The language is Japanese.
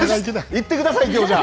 行ってください、きょう、じゃあ。